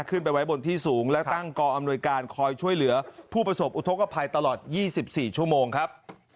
ขึ้นไปไว้บนที่สูงและตั้งกอำนวยการคอยช่วยเหลือผู้ประสบอุทธกภัยตลอด๒๔ชั่วโมงครับ